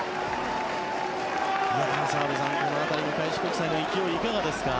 澤部さん、この辺りの開志国際の勢い、いかがですか。